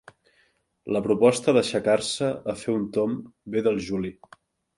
La proposta d'aixecar-se a fer un tomb ve del Juli.